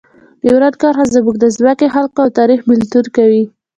ډیورنډ کرښه زموږ د ځمکې، خلکو او تاریخ بېلتون کوي.